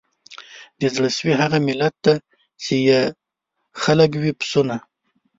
د زړه سوي هغه ملت دی چي یې خلک وي پسونه